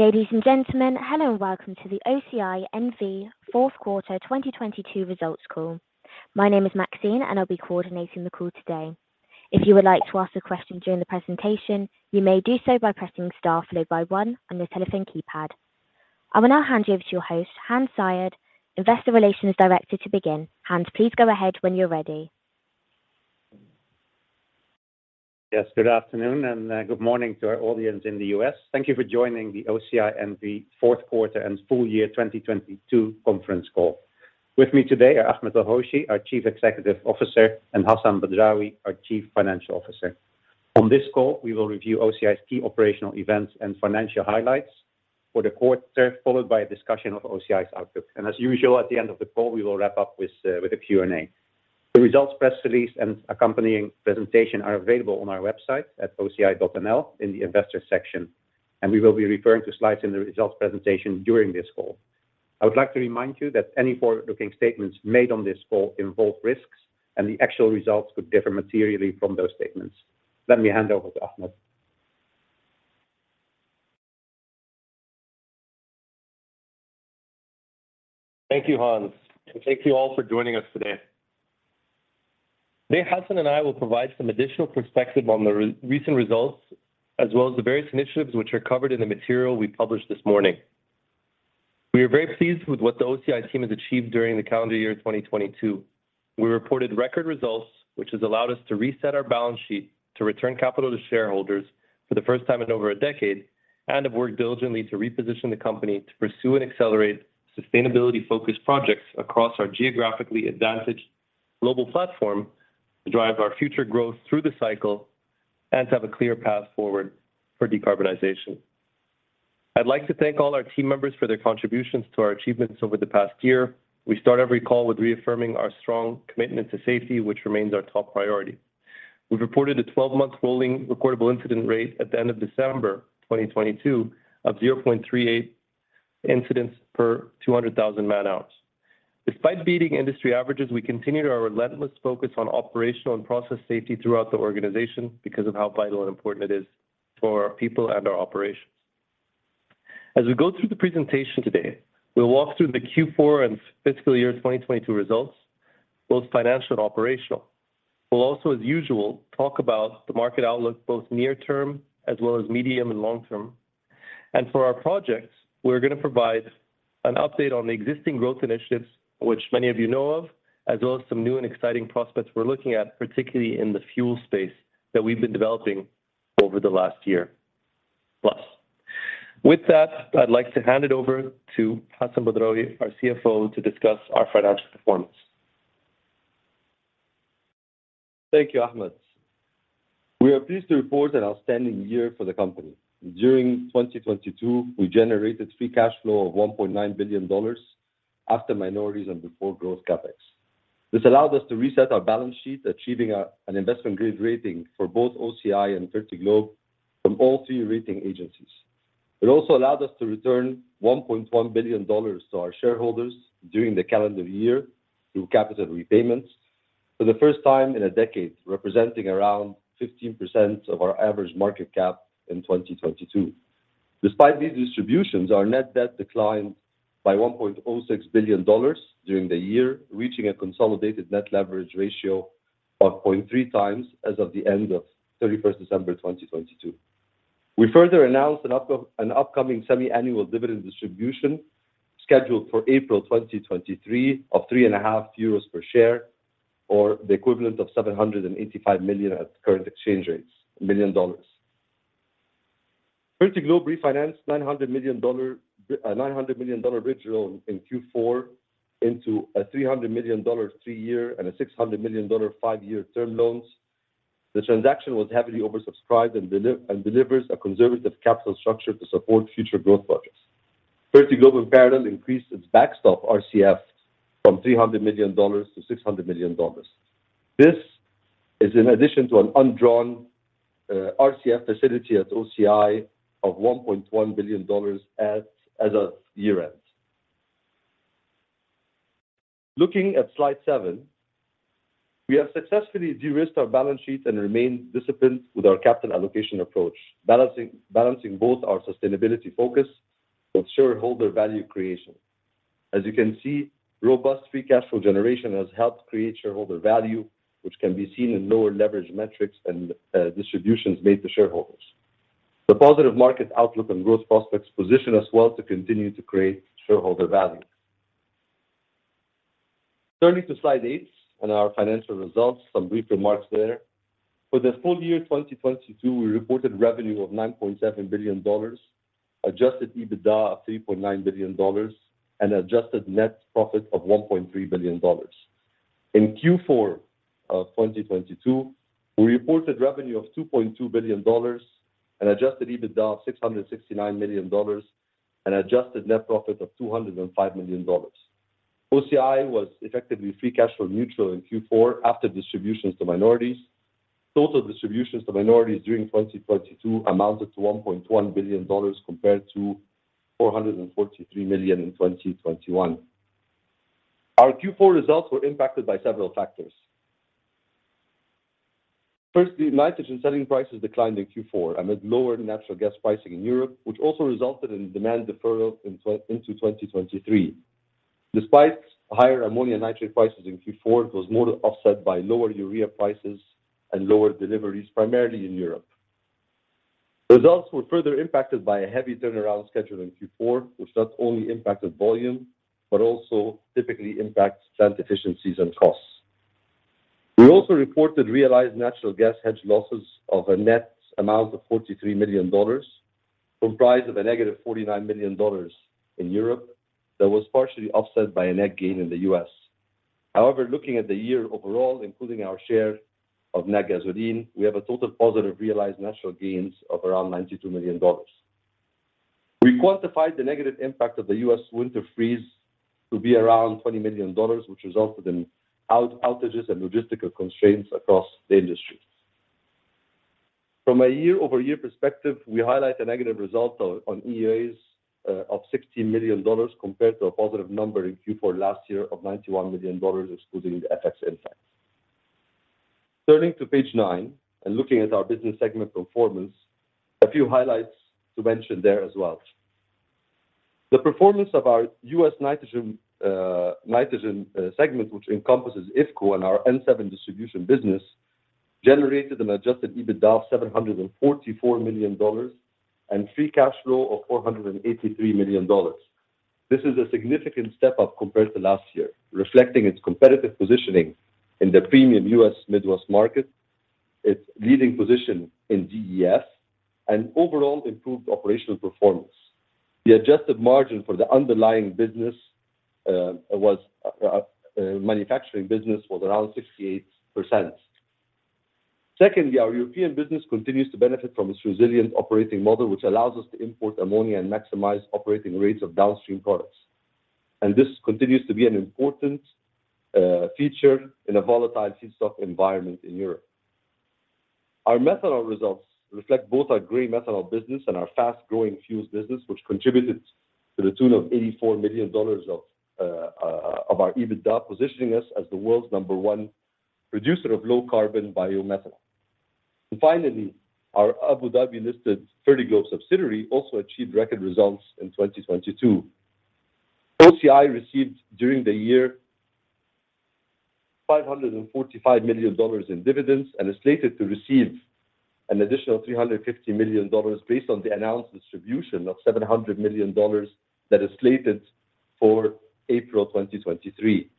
Ladies and gentlemen, hello and welcome to the OCI N.V. Q4 2022 results call. My name is Maxine, and I'll be coordinating the call today. If you would like to ask a question during the presentation, you may do so by pressing star followed by 1 on your telephone keypad. I will now hand you over to your host, Hans Zayed, Director, Investor Relations, to begin. Hans, please go ahead when you're ready. Yes, good afternoon and good morning to our audience in the U.S. Thank you for joining the OCI N.V. Q4 and full year 2022 conference call. With me today are Ahmed El-Hoshy, our Chief Executive Officer, and Hassan Badrawi, our Chief Financial Officer. On this call, we will review OCI's key operational events and financial highlights for the quarter, followed by a discussion of OCI's outlook. As usual, at the end of the call, we will wrap up with a Q&A. The results press release and accompanying presentation are available on our website at oci.nl in the investors section, and we will be referring to slides in the results presentation during this call. I would like to remind you that any forward-looking statements made on this call involve risks, and the actual results could differ materially from those statements. Let me hand over to Ahmed. Thank you, Hans, and thank you all for joining us today. Today, Hassan and I will provide some additional perspective on the recent results as well as the various initiatives which are covered in the material we published this morning. We are very pleased with what the OCI team has achieved during the calendar year 2022. We reported record results, which has allowed us to reset our balance sheet to return capital to shareholders for the first time in over a decade, and have worked diligently to reposition the company to pursue and accelerate sustainability-focused projects across our geographically advantaged global platform to drive our future growth through the cycle and to have a clear path forward for decarbonization. I'd like to thank all our team members for their contributions to our achievements over the past year. We start every call with reaffirming our strong commitment to safety, which remains our top priority. We've reported a 12-month rolling recordable incident rate at the end of December 2022 of 0.38 incidents per 200,000 man-hours. Despite beating industry averages, we continue our relentless focus on operational and process safety throughout the organization because of how vital and important it is for our people and our operations. As we go through the presentation today, we'll walk through the Q4 and fiscal year 2022 results, both financial and operational. We'll also, as usual, talk about the market outlook, both near term as well as medium and long term. For our projects, we're going to provide an update on the existing growth initiatives, which many of you know of, as well as some new and exciting prospects we're looking at, particularly in the fuel space that we've been developing over the last year plus. With that, I'd like to hand it over to Hassan Badrawi, our CFO, to discuss our financial performance. Thank you, Ahmed. We are pleased to report an outstanding year for the company. During 2022, we generated free cash flow of $1.9 billion after minorities and before growth CapEx. This allowed us to reset our balance sheet, achieving an investment-grade rating for both OCI and Fertiglobe from all three rating agencies. It also allowed us to return $1.1 billion to our shareholders during the calendar year through capital repayments for the first time in a decade, representing around 15% of our average market cap in 2022. Despite these distributions, our net debt declined by $1.06 billion during the year, reaching a consolidated net leverage ratio of 0.3 times as of the end of 31st December 2022. We further announced an upcoming semi-annual dividend distribution scheduled for April 2023 of three and a half EUR per share or the equivalent of $785 million at current exchange rates, million dollars. Fertiglobe refinanced a $900 million dollar bridge loan in Q4 into a $300 million dollar three-year and a $600 million dollar five-year term loans. The transaction was heavily oversubscribed and delivers a conservative capital structure to support future growth projects. Fertiglobe in parallel increased its backstop RCF from $300 million to $600 million. This is in addition to an undrawn RCF facility at OCI of $1.1 billion as of year-end. Looking at slide 7, we have successfully de-risked our balance sheet and remained disciplined with our capital allocation approach, balancing both our sustainability focus with shareholder value creation. As you can see, robust free cash flow generation has helped create shareholder value, which can be seen in lower leverage metrics and distributions made to shareholders. The positive market outlook and growth prospects position us well to continue to create shareholder value. Turning to slide 8 and our financial results, some brief remarks there. For the full year 2022, we reported revenue of $9.7 billion, adjusted EBITDA of $3.9 billion, and adjusted net profit of $1.3 billion. In Q4 of 2022, we reported revenue of $2.2 billion, an adjusted EBITDA of $669 million, and adjusted net profit of $205 million. OCI was effectively free cash flow neutral in Q4 after distributions to minorities. Total distributions to minorities during 2022 amounted to $1.1 billion compared to $443 million in 2021. Our Q4 results were impacted by several factors. Firstly, nitrogen selling prices declined in Q4 amid lower natural gas pricing in Europe, which also resulted in demand deferral into 2023. Despite higher ammonia and nitrate prices in Q4, it was more than offset by lower urea prices and lower deliveries, primarily in Europe. Results were further impacted by a heavy turnaround schedule in Q4, which not only impacted volume, but also typically impacts plant efficiencies and costs. We also reported realized natural gas hedge losses of a net amount of $43 million, comprised of a negative $49 million in Europe that was partially offset by a net gain in the US. Looking at the year overall, including our share of Natgasoline, we have a total positive realized natural gains of around $92 million. We quantified the negative impact of the US winter freeze to be around $20 million, which resulted in outages and logistical constraints across the industry. From a year-over-year perspective, we highlight a negative result of, on EAs, of $16 million compared to a positive number in Q4 last year of $91 million, excluding the FX impact. Turning to page 9, looking at our business segment performance, a few highlights to mention there as well. The performance of our US nitrogen segment, which encompasses IFCO and our N-7 distribution business, generated an adjusted EBITDA of $744 million and free cash flow of $483 million. This is a significant step-up compared to last year, reflecting its competitive positioning in the premium US Midwest market, its leading position in DEF, and overall improved operational performance. The adjusted margin for the underlying manufacturing business was around 68%. Secondly, our European business continues to benefit from its resilient operating model, which allows us to import ammonia and maximize operating rates of downstream products. This continues to be an important feature in a volatile gas spot environment in Europe. Our methanol results reflect both our gray methanol business and our fast-growing FUSE business, which contributed to the tune of $84 million of our EBITDA, positioning us as the world's number one producer of low-carbon biomethanol. Finally, our Abu Dhabi-listed Fertiglobe subsidiary also achieved record results in 2022. OCI received during the year $545 million in dividends and is slated to receive an additional $350 million based on the announced distribution of $700 million that is slated for April 2023.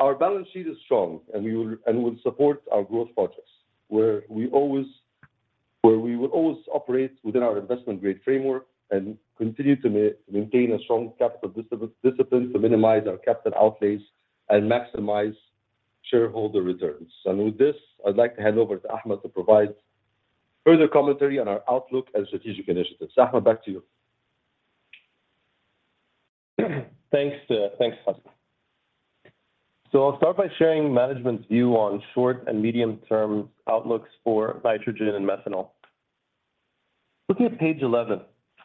Our balance sheet is strong and will support our growth projects, where we will always operate within our investment-grade framework and continue to maintain a strong capital discipline to minimize our capital outlays and maximize shareholder returns. With this, I'd like to hand over to Ahmed to provide further commentary on our outlook and strategic initiatives. Ahmed, back to you. Thanks, thanks, Hassan. I'll start by sharing management's view on short and medium-term outlooks for nitrogen and methanol. Looking at page 11,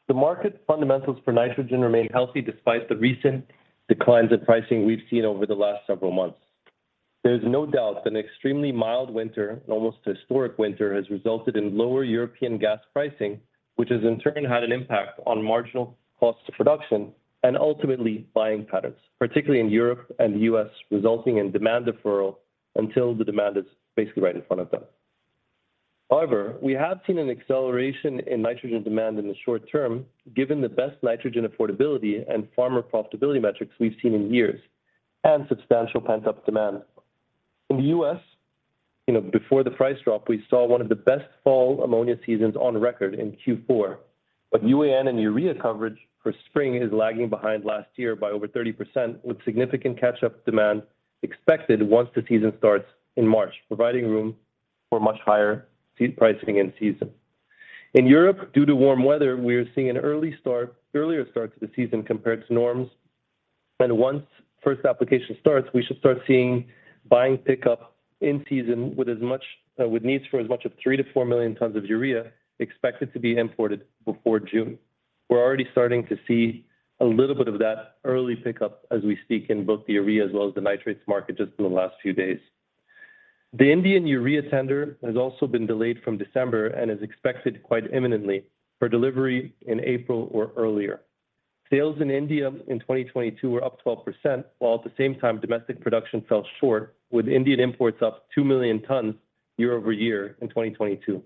the market fundamentals for nitrogen remain healthy despite the recent declines in pricing we've seen over the last several months. There's no doubt an extremely mild winter, an almost historic winter, has resulted in lower European gas pricing, which has in turn had an impact on marginal cost of production and ultimately buying patterns, particularly in Europe and the U.S., resulting in demand deferral until the demand is basically right in front of them. We have seen an acceleration in nitrogen demand in the short-term, given the best nitrogen affordability and farmer profitability metrics we've seen in years, and substantial pent-up demand. In the U.S., you know, before the price drop, we saw one of the best fall ammonia seasons on record in Q4. UAN and urea coverage for spring is lagging behind last year by over 30%, with significant catch-up demand expected once the season starts in March, providing room for much higher seed pricing in season. In Europe, due to warm weather, we're seeing an earlier start to the season compared to norms. Once first application starts, we should start seeing buying pickup in season with as much, with needs for as much of 3 million-4 million tons of urea expected to be imported before June. We're already starting to see a little bit of that early pickup as we speak in both the urea as well as the nitrates market just in the last few days. The Indian urea tender has also been delayed from December and is expected quite imminently for delivery in April or earlier. Sales in India in 2022 were up 12%, while at the same time domestic production fell short, with Indian imports up 2 million tons year-over-year in 2022.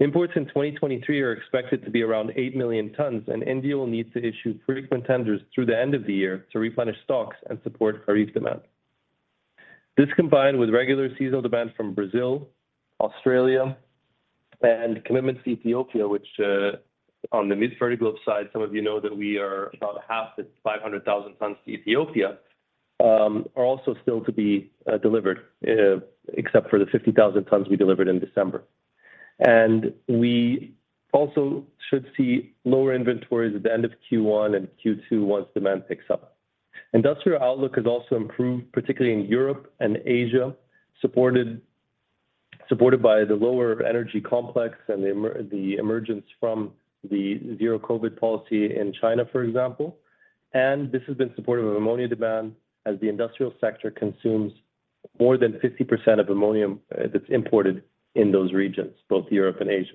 Imports in 2023 are expected to be around 8 million tons, India will need to issue frequent tenders through the end of the year to replenish stocks and support harvest demand. This combined with regular seasonal demand from Brazil, Australia, and commitments to Ethiopia, which, on the Fertiglobe side, some of you know that we are about half the 500,000 tons to Ethiopia, are also still to be delivered, except for the 50,000 tons we delivered in December. We also should see lower inventories at the end of Q1 and Q2 once demand picks up. Industrial outlook has also improved, particularly in Europe and Asia, supported by the lower energy complex and the emergence from the zero COVID policy in China, for example. This has been supportive of ammonia demand as the industrial sector consumes more than 50% of ammonium that's imported in those regions, both Europe and Asia.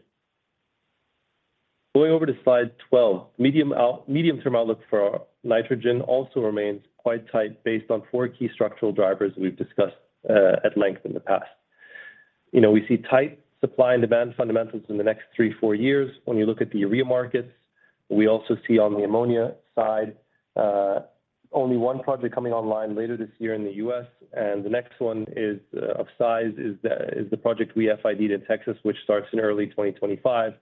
Going over to slide 12. Medium-term outlook for nitrogen also remains quite tight based on 4 key structural drivers we've discussed at length in the past. You know, we see tight supply and demand fundamentals in the next 3, 4 years when you look at the urea markets. We also see on the ammonia side, only one project coming online later this year in the U.S., and the next one of size is the project we FID in Texas, which starts in early 2025.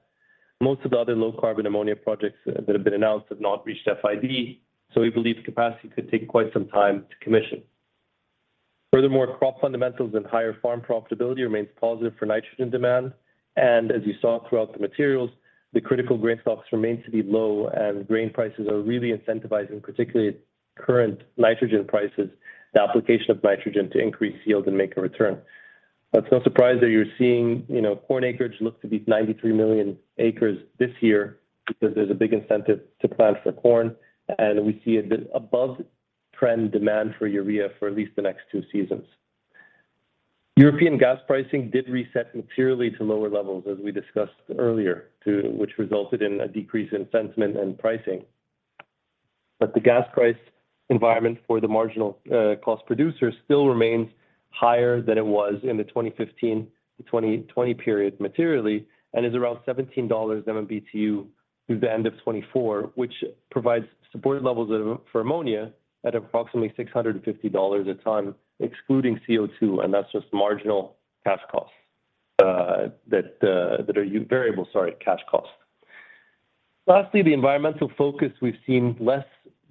Most of the other low carbon ammonia projects that have been announced have not reached FID, so we believe capacity could take quite some time to commission. Furthermore, crop fundamentals and higher farm profitability remains positive for nitrogen demand. As you saw throughout the materials, the critical grain stocks remain to be low, and grain prices are really incentivizing, particularly at current nitrogen prices, the application of nitrogen to increase yield and make a return. It's no surprise that you're seeing, you know, corn acreage look to be 93 million acres this year because there's a big incentive to plant for corn, and we see a bit above-trend demand for urea for at least the next two seasons. European gas pricing did reset materially to lower levels, as we discussed earlier, which resulted in a decrease in sentiment and pricing. The gas price environment for the marginal cost producer still remains higher than it was in the 2015 to 2020 period materially, and is around $17 MMBtu through the end of 2024, which provides supported levels of, for ammonia at approximately $650 a ton, excluding CO2, and that's just marginal cash costs that are variable, sorry, cash costs. Lastly, the environmental focus, we've seen less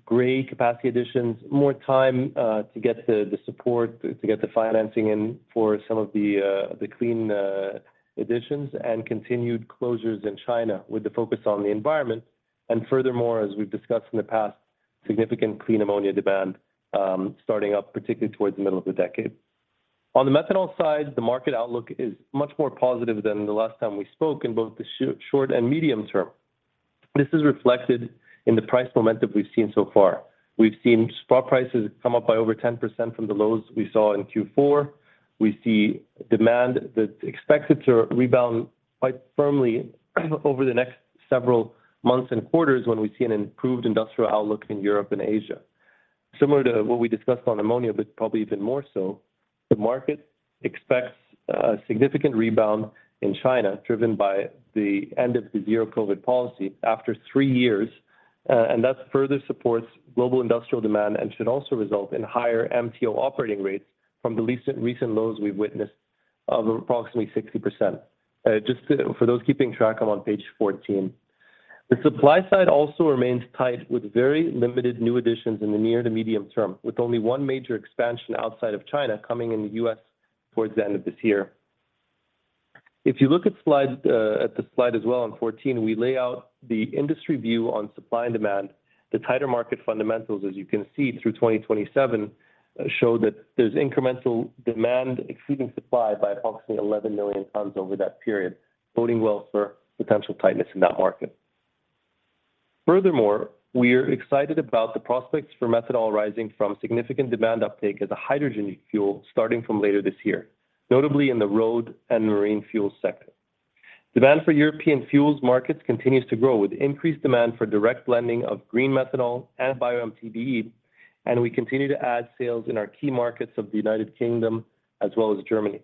gray capacity additions, more time to get the support, to get the financing in for some of the clean additions and continued closures in China with the focus on the environment. Furthermore, as we've discussed in the past, significant clean ammonia demand, starting up particularly towards the middle of the decade. On the methanol side, the market outlook is much more positive than the last time we spoke in both the short and medium term. This is reflected in the price momentum we've seen so far. We've seen spot prices come up by over 10% from the lows we saw in Q4. We see demand that's expected to rebound quite firmly over the next several months and quarters when we see an improved industrial outlook in Europe and Asia. Similar to what we discussed on ammonia, but probably even more so, the market expects a significant rebound in China, driven by the end of the zero COVID policy after three years, and that further supports global industrial demand and should also result in higher MTO operating rates from the least recent lows we've witnessed of approximately 60%. For those keeping track, I'm on page 14. The supply side also remains tight with very limited new additions in the near to medium term, with only one major expansion outside of China coming in the U.S. towards the end of this year. If you look at slide, at the slide as well on 14, we lay out the industry view on supply and demand. The tighter market fundamentals, as you can see through 2027, show that there's incremental demand exceeding supply by approximately 11 million tons over that period, boding well for potential tightness in that market. Furthermore, we're excited about the prospects for methanol rising from significant demand uptake as a hydrogen fuel starting from later this year, notably in the road and marine fuel sector. Demand for European fuels markets continues to grow, with increased demand for direct blending of green methanol and bio MTBE, and we continue to add sales in our key markets of the United Kingdom as well as Germany.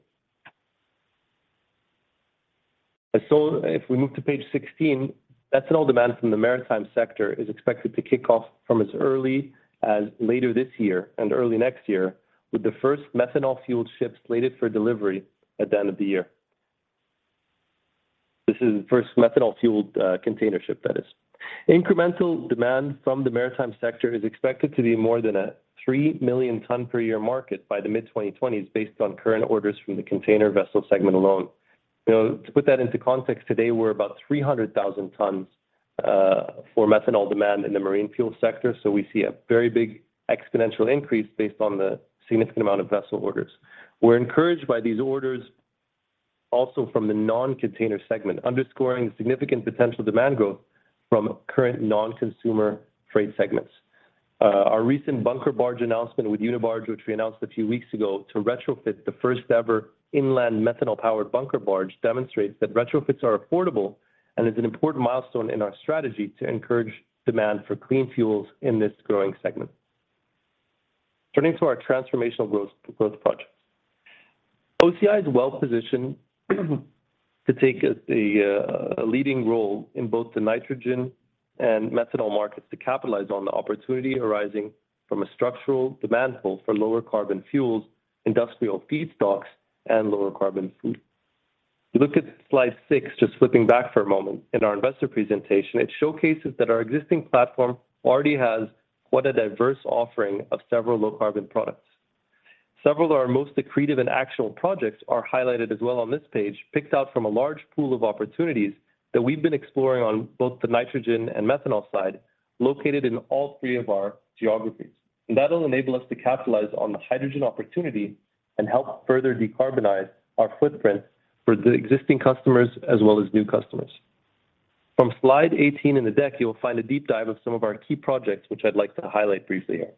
If we move to page 16, methanol demand from the maritime sector is expected to kick off from as early as later this year and early next year, with the first methanol-fueled ships slated for delivery at the end of the year. This is the first methanol-fueled container ship that is. Incremental demand from the maritime sector is expected to be more than a 3 million ton per year market by the mid-2020s based on current orders from the container vessel segment alone. You know, to put that into context, today we're about 300,000 tons for methanol demand in the marine fuel sector. We see a very big exponential increase based on the significant amount of vessel orders. We're encouraged by these orders also from the non-container segment, underscoring significant potential demand growth from current non-consumer trade segments. Our recent bunker barge announcement with Unibarge, which we announced a few weeks ago to retrofit the first ever inland methanol-powered bunker barge, demonstrates that retrofits are affordable and is an important milestone in our strategy to encourage demand for clean fuels in this growing segment. Turning to our transformational growth projects. OCI is well-positioned to take a leading role in both the nitrogen and methanol markets to capitalize on the opportunity arising from a structural demand pull for lower carbon fuels, industrial feedstocks, and lower carbon food. If you look at slide six, just flipping back for a moment in our investor presentation, it showcases that our existing platform already has quite a diverse offering of several low carbon products. Several of our most accretive and actual projects are highlighted as well on this page, picked out from a large pool of opportunities that we've been exploring on both the nitrogen and methanol side, located in all three of our geographies. That'll enable us to capitalize on the hydrogen opportunity and help further decarbonize our footprint for the existing customers as well as new customers. From slide 18 in the deck, you will find a deep dive of some of our key projects, which I'd like to highlight briefly here.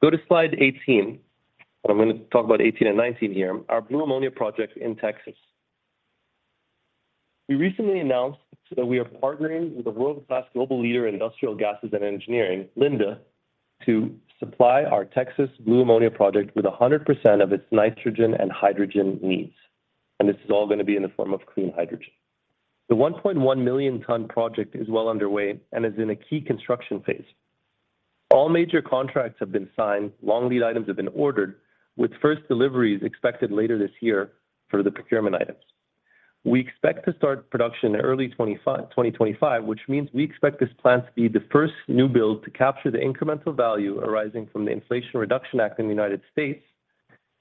Go to slide 18, and I'm gonna talk about 18 and 19 here. Our blue ammonia project in Texas. We recently announced that we are partnering with a world-class global leader in industrial gases and engineering, Linde, to supply our Texas blue ammonia project with 100% of its nitrogen and hydrogen needs. This is all gonna be in the form of clean hydrogen. The 1.1 million ton project is well underway and is in a key construction phase. All major contracts have been signed, long lead items have been ordered, with first deliveries expected later this year for the procurement items. We expect to start production in early 2025, which means we expect this plant to be the first new build to capture the incremental value arising from the Inflation Reduction Act in the United States,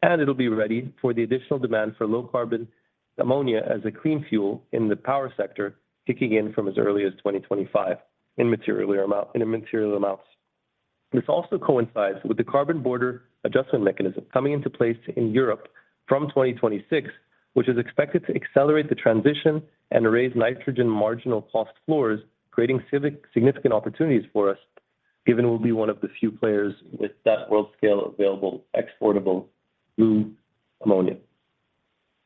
and it'll be ready for the additional demand for low-carbon ammonia as a clean fuel in the power sector, kicking in from as early as 2025 in a material amounts. This also coincides with the Carbon Border Adjustment Mechanism coming into place in Europe from 2026, which is expected to accelerate the transition and raise nitrogen marginal cost floors, creating significant opportunities for us, given we'll be one of the few players with that world-scale available exportable blue ammonia.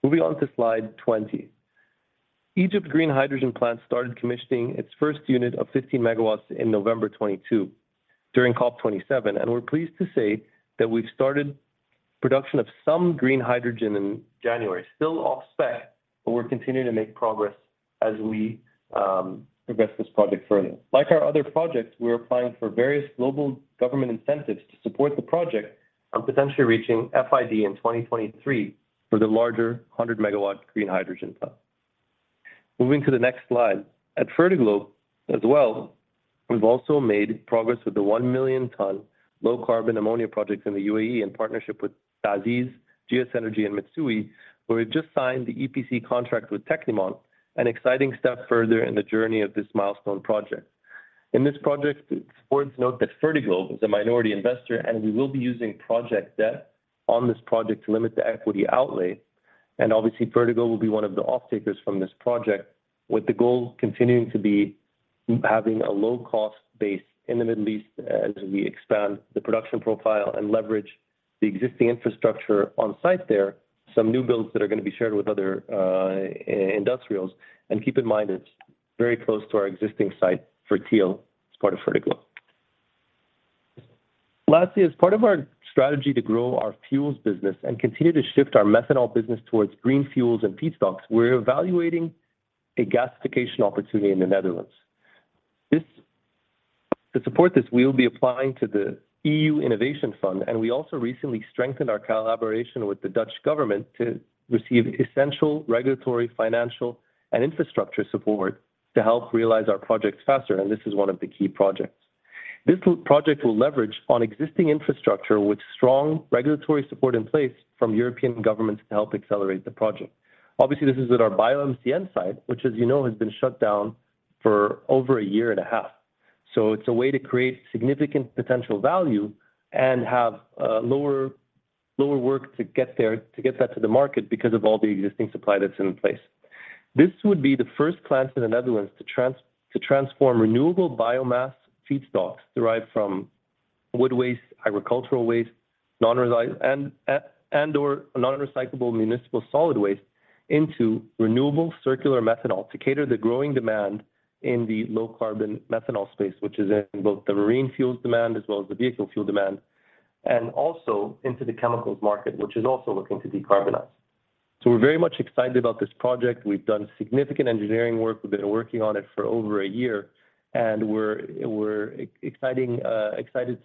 Moving on to slide 20. Egypt green hydrogen plant started commissioning its first unit of 50 megawatts in November 2022 during COP27, and we're pleased to say that we've started production of some green hydrogen in January, still off-spec, but we're continuing to make progress as we progress this project further. Like our other projects, we're applying for various global government incentives to support the project on potentially reaching FID in 2023 for the larger 100 megawatt green hydrogen plant. Moving to the next slide. At Fertiglobe as well, we've also made progress with the 1 million ton low-carbon ammonia project in the UAE in partnership with TA'ZIZ, GS Energy, and Mitsui, where we've just signed the EPC contract with Tecnimont, an exciting step further in the journey of this milestone project. In this project, it's worth to note that Fertiglobe is a minority investor, and we will be using project debt on this project to limit the equity outlay. Obviously, Fertiglobe will be one of the off-takers from this project, with the goal continuing to be having a low cost base in the Middle East as we expand the production profile and leverage the existing infrastructure on site there, some new builds that are gonna be shared with other industrials. Keep in mind, it's very close to our existing site, Fertial, as part of Fertiglobe. Lastly, as part of our strategy to grow our fuels business and continue to shift our methanol business towards green fuels and feedstocks, we're evaluating a gasification opportunity in the Netherlands. To support this, we will be applying to the EU Innovation Fund. We also recently strengthened our collaboration with the Dutch government to receive essential regulatory, financial, and infrastructure support to help realize our projects faster. This is one of the key projects. This project will leverage on existing infrastructure with strong regulatory support in place from European governments to help accelerate the project. Obviously, this is at our BioMCN site, which, as you know, has been shut down for over a year and a half. It's a way to create significant potential value and have lower work to get that to the market because of all the existing supply that's in place. This would be the first plant in the Netherlands to transform renewable biomass feedstocks derived from wood waste, agricultural waste, non-recyclable and/or non-recyclable municipal solid waste into renewable circular methanol to cater the growing demand in the low-carbon methanol space, which is in both the marine fuels demand as well as the vehicle fuel demand, and also into the chemicals market, which is also looking to decarbonize. We're very much excited about this project. We've done significant engineering work. We've been working on it for over a year, and we're excited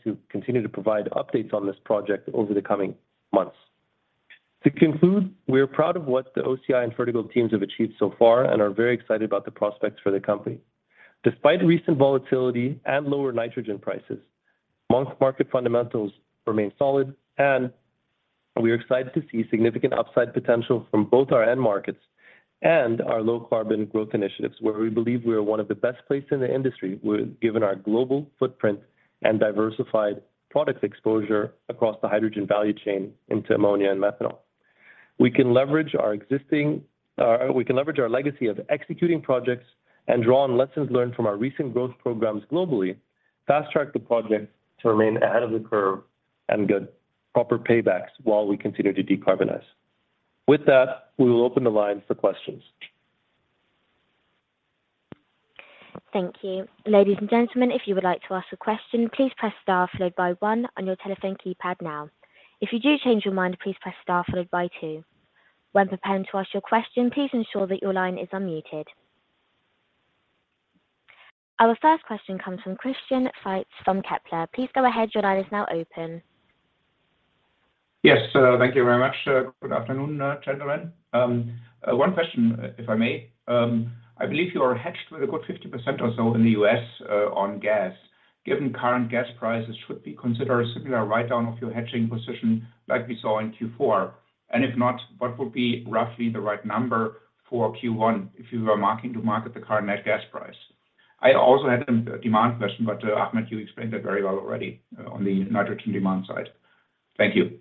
to continue to provide updates on this project over the coming months. To conclude, we're proud of what the OCI and Fertiglobe teams have achieved so far and are very excited about the prospects for the company. Despite recent volatility and lower nitrogen prices, market fundamentals remain solid, and we are excited to see significant upside potential from both our end markets and our low-carbon growth initiatives, where we believe we are one of the best placed in the industry given our global footprint and diversified product exposure across the hydrogen value chain into ammonia and methanol. We can leverage our existing, our legacy of executing projects and draw on lessons learned from our recent growth programs globally, fast-track the projects to remain ahead of the curve and get proper paybacks while we continue to decarbonize. With that, we will open the lines for questions. Thank you. Ladies and gentlemen, if you would like to ask a question, please press star followed by 1 on your telephone keypad now. If you do change your mind, please press star followed by 2. When preparing to ask your question, please ensure that your line is unmuted. Our first question comes from Christian Faitz from Kepler. Please go ahead. Your line is now open. Yes, thank you very much, sir. Good afternoon, gentlemen. 1 question, if I may. I believe you are hedged with a good 50% or so in the U.S. on gas. Given current gas prices, should we consider a similar write-down of your hedging position like we saw in Q4? If not, what would be roughly the right number for Q1 if you were marking to market the current net gas price? I also had a demand question, Ahmed, you explained that very well already on the nitrogen demand side. Thank you.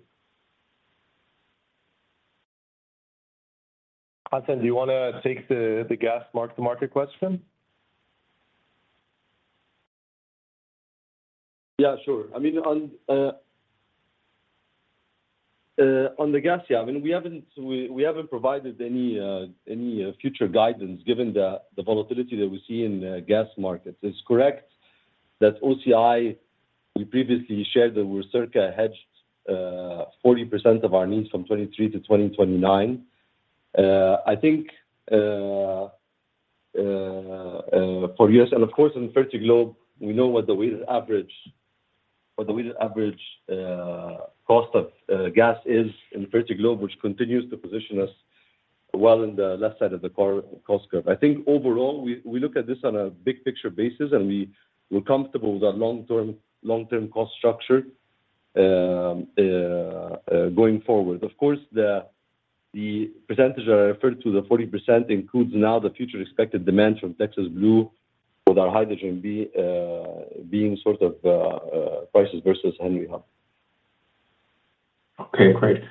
Hassan, do you wanna take the gas mark-to-market question? Yeah, sure. I mean, on the gas, yeah. I mean, we haven't provided any future guidance given the volatility that we see in the gas markets. It's correct that OCI, we previously shared that we're circa hedged 40% of our needs from 2023 to 2029. I think for years, of course in Fertiglobe, we know what the weighted average cost of gas is in Fertiglobe, which continues to position us well in the left side of the cost curve. I think overall, we look at this on a big picture basis, and we're comfortable with our long-term cost structure going forward. Of course, the percentage I referred to, the 40%, includes now the future expected demand from Texas Blue with our hydrogen being sort of prices versus Henry Hub. Okay, great.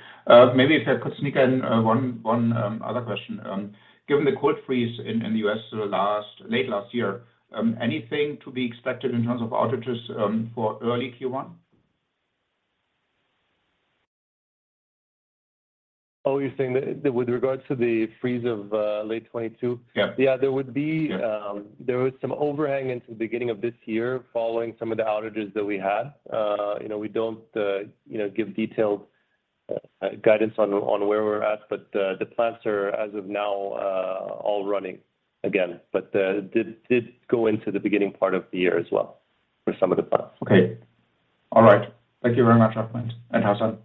Maybe if I could sneak in one other question. Given the cold freeze in the U.S. late last year, anything to be expected in terms of outages for early Q1? Oh, you're saying that with regards to the freeze of, late 2022? Yeah. There would be some overhang into the beginning of this year following some of the outages that we had. You know, we don't, give detailed guidance on where we're at, but the plants are, as of now, all running again. Did go into the beginning part of the year as well for some of the plants. Okay. All right. Thank you very much, Ahmed and Hassan.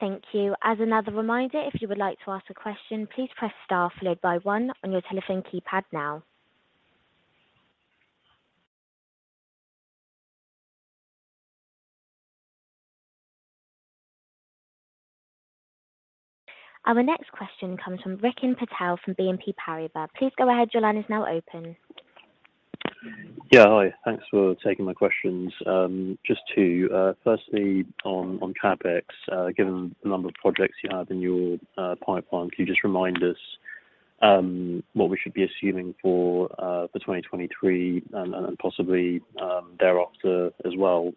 Thank you. As another reminder, if you would like to ask a question, please press star followed by 1 on your telephone keypad now. Our next question comes from Rikin Patel from BNP Paribas. Please go ahead. Your line is now open. Yeah. Hi. Thanks for taking my questions. Just two. Firstly, on CapEx, given the number of projects you have in your pipeline, can you just remind us what we should be assuming for 2023 and possibly thereafter as well?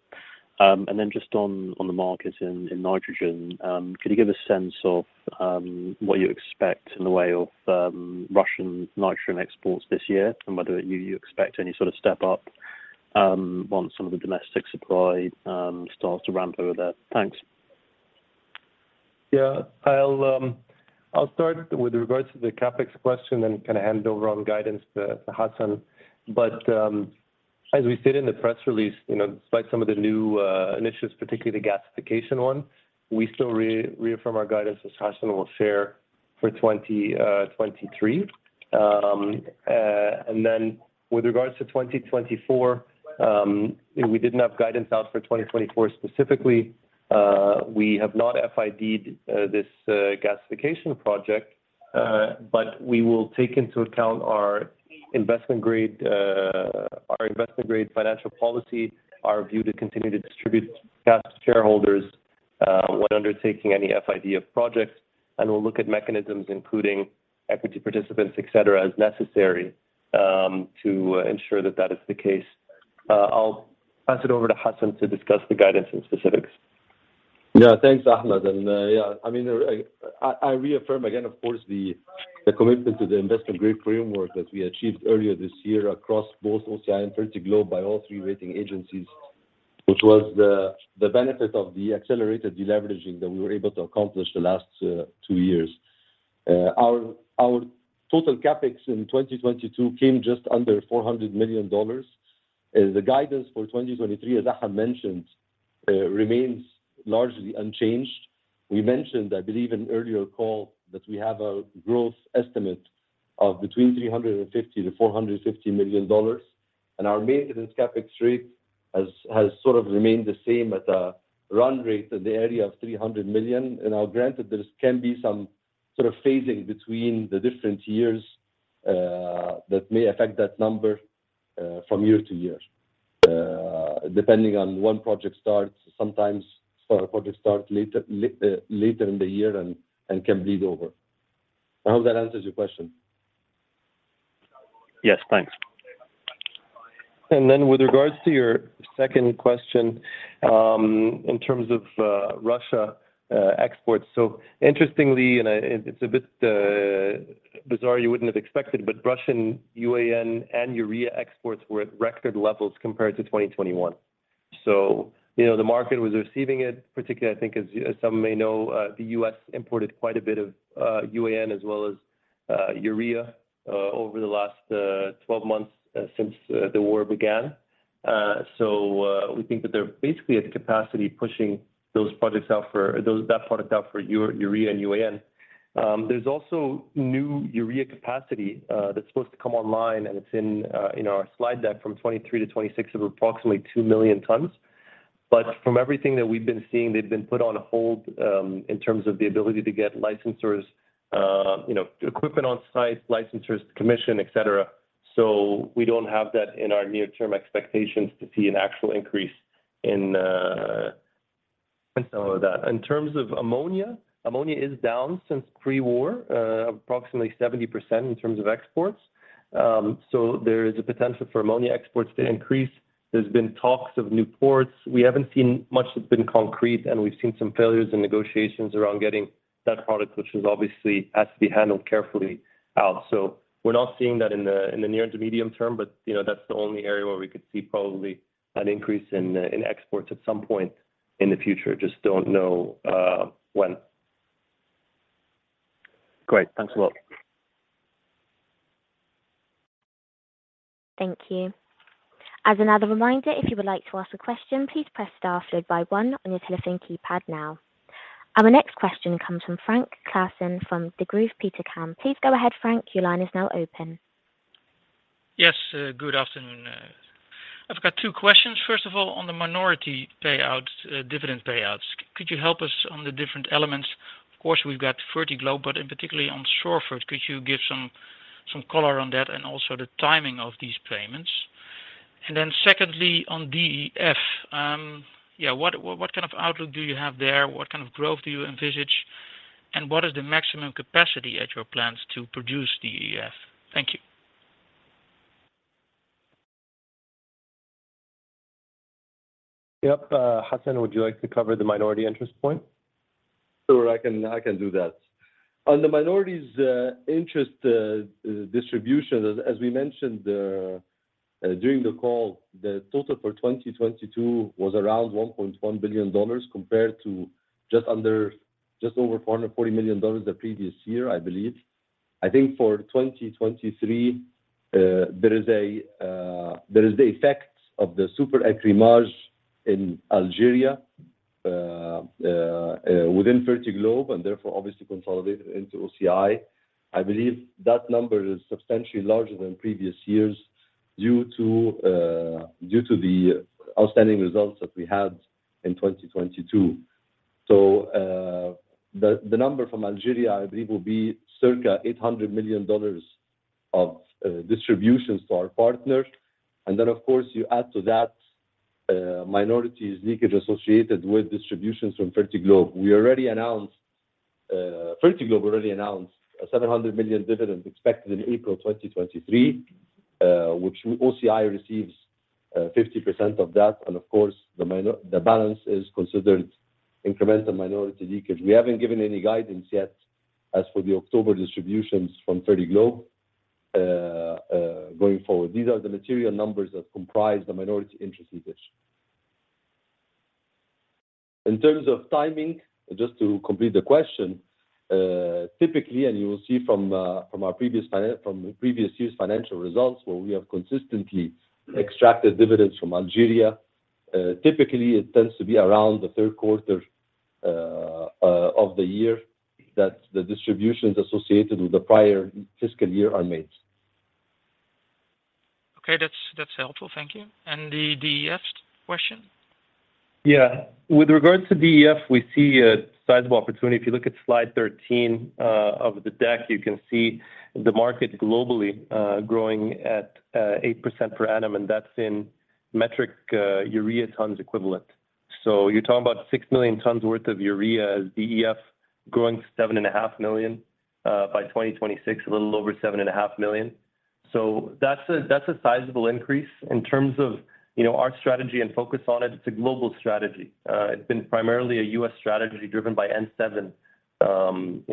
And then just on the market in nitrogen, could you give a sense of what you expect in the way of Russian nitrogen exports this year, and whether you expect any sort of step up once some of the domestic supply starts to ramp over there? Thanks. I'll start with regards to the CapEx question then kinda hand over on guidance to Hassan. As we said in the press release, despite some of the new initiatives, particularly the gasification one, we still reaffirm our guidance as Hassan will share for 2023. With regards to 2024, we didn't have guidance out for 2024 specifically. We have not FID-ed this gasification project, but we will take into account our investment grade, our investment grade financial policy, our view to continue to distribute cash to shareholders, when undertaking any FID of projects, and we'll look at mechanisms including equity participants, et cetera, as necessary, to ensure that that is the case. I'll pass it over to Hassan to discuss the guidance and specifics. Thanks, Ahmed. Yeah, I mean, I reaffirm again, of course, the commitment to the investment grade framework that we achieved earlier this year across both OCI and Fertiglobe by all three rating agencies, which was the benefit of the accelerated deleveraging that we were able to accomplish the last two years. Our total CapEx in 2022 came just under $400 million. The guidance for 2023, as Ahmed mentioned, remains largely unchanged. We mentioned, I believe in earlier call, that we have a growth estimate of between $350 million-$450 million, and our maintenance CapEx rate has sort of remained the same at a run rate in the area of $300 million. Now granted, there can be some sort of phasing between the different years, that may affect that number from year to year, depending on when project starts. Sometimes certain projects start later in the year and can bleed over. I hope that answers your question. Yes. Thanks. With regards to your second question, in terms of Russia exports. Interestingly, it's a bit bizarre, you wouldn't have expected, but Russian UAN and urea exports were at record levels compared to 2021. You know, the market was receiving it. Particularly, I think as some may know, the U.S. imported quite a bit of UAN as well as urea over the last 12 months since the war began. We think that they're basically at capacity pushing that product out for urea and UAN. There's also new urea capacity that's supposed to come online, and it's in our slide deck from 2023 to 2026 of approximately 2 million tons. From everything that we've been seeing, they've been put on hold, in terms of the ability to get licensors, equipment on site, licensors to commission, et cetera. So we don't have that in our near-term expectations to see an actual increase in some of that. In terms of ammonia is down since pre-war, approximately 70% in terms of exports. There is a potential for ammonia exports to increase. There's been talks of new ports. We haven't seen much that's been concrete, and we've seen some failures in negotiations around getting that product, which is obviously has to be handled carefully out. We're not seeing that in the, in the near to medium term, but, that's the only area where we could see probably an increase in exports at some point in the future. Just don't know, when. Great. Thanks a lot. Thank you. As another reminder, if you would like to ask a question, please press star followed by 1 on your telephone keypad now. Our next question comes from Frank Claassen from Degroof Petercam. Please go ahead, Frank. Your line is now open. Yes, good afternoon. I've got two questions. First of all, on the minority payouts, dividend payouts, could you help us on the different elements? Of course, we've got Fertiglobe, but in particularly on Sorfert, could you give some color on that and also the timing of these payments? Secondly, on DEF, yeah, what kind of outlook do you have there? What kind of growth do you envisage? What is the maximum capacity at your plans to produce DEF? Thank you. Yep. Hassan, would you like to cover the minority interest point? Sure, I can do that. On the minorities interest distribution, as we mentioned during the call, the total for 2022 was around $1.1 billion compared to just over $440 million the previous year, I believe. I think for 2023, there is the effects of the supertaxe in Algeria within Fertiglobe, therefore obviously consolidated into OCI. I believe that number is substantially larger than previous years due to the outstanding results that we had in 2022. The number from Algeria, I believe, will be circa $800 million of distributions to our partners. Then of course, you add to that minority's leakage associated with distributions from Fertiglobe. We already announced... Fertiglobe already announced a $700 million dividend expected in April 2023, which OCI receives, 50% of that. Of course, the balance is considered incremental minority leakage. We haven't given any guidance yet as for the October distributions from Fertiglobe going forward. These are the material numbers that comprise the minority interest leakage. In terms of timing, just to complete the question, typically, you will see from the previous year's financial results, where we have consistently extracted dividends from Algeria, typically it tends to be around the Q3 of the year that the distributions associated with the prior fiscal year are made. Okay. That's helpful. Thank you. The DEF question? Yeah. With regards to DEF, we see a sizable opportunity. If you look at slide 13 of the deck, you can see the market globally growing at 8% per annum, and that's in metric urea tons equivalent. You're talking about 6 million tons worth of urea as DEF growing 7.5 million by 2026, a little over 7.5 million. That's a sizable increase. In terms of, our strategy and focus on it's a global strategy. It's been primarily a U.S. strategy driven by N-7,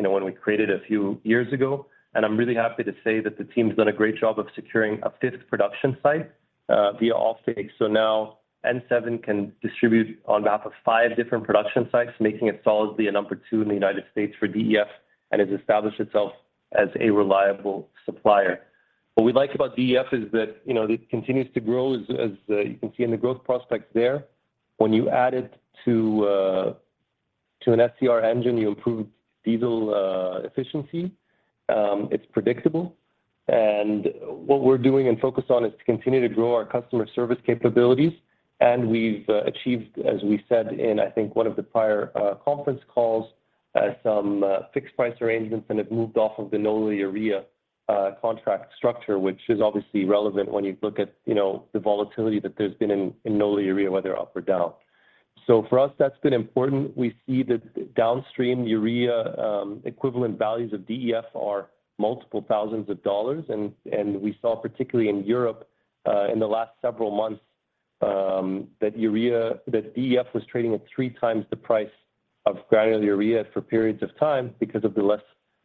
when we created a few years ago. I'm really happy to say that the team's done a great job of securing a fifth production site via off-take. Now N-7 can distribute on map of 5 different production sites, making it solidly a number two in the United States for DEF and has established itself as a reliable supplier. What we like about DEF is that, it continues to grow as you can see in the growth prospects there. When you add it to an SCR engine, you improve diesel efficiency. It's predictable. What we're doing and focus on is to continue to grow our customer service capabilities. We've achieved, as we said in, I think, one of the prior conference calls, some fixed price arrangements and have moved off of the NOLA urea contract structure, which is obviously relevant when you look at, the volatility that there's been in NOLA urea, whether up or down. For us, that's been important. We see the downstream urea, equivalent values of DEF are multiple thousands of dollars. We saw particularly in Europe, in the last several months, that DEF was trading at 3 times the price of granular urea for periods of time because of the less,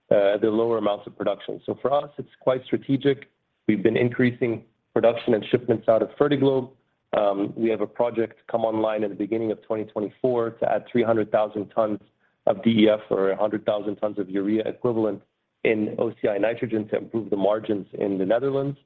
the lower amounts of production. For us, it's quite strategic. We've been increasing production and shipments out of Fertiglobe. We have a project come online at the beginning of 2024 to add 300,000 tons of DEF or 100,000 tons of urea equivalent in OCI Nitrogen to improve the margins in the Netherlands.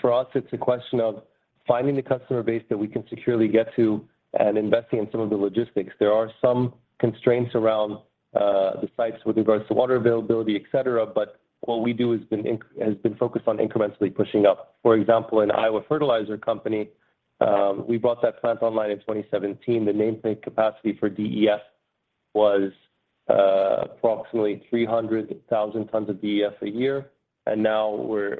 For us, it's a question of finding the customer base that we can securely get to and investing in some of the logistics. There are some constraints around the sites with regards to water availability, et cetera, but what we do has been focused on incrementally pushing up. For example, in Iowa Fertilizer Company, we brought that plant online in 2017. The nameplate capacity for DEF was approximately 300,000 tons of DEF a year. Now we're